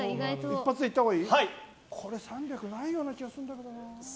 これ３００ないような気がするんだけどな。